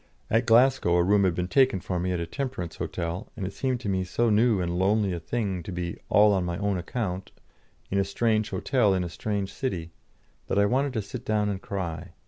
At Glasgow a room had been taken for me at a temperance hotel, and it seemed to me so new and lonely a thing to be "all on my own account" in a strange hotel in a strange city, that I wanted to sit down and cry.